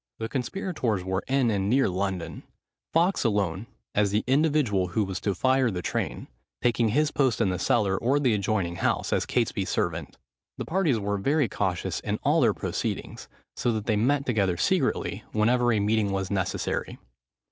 The conspirators were in and near London, Fawkes alone, as the individual who was to fire the train, taking his post in the cellar, or the adjoining house, as Catesby's servant. The parties were very cautious in all their proceedings, so that they met together secretly, whenever a meeting was necessary.